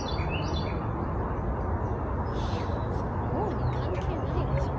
いやそれ剛に関係ないでしょ。